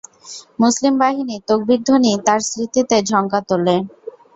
মুসলিম বাহিনীর তকবীর-ধ্বনি তার স্মৃতিতে ঝংকার তোলে।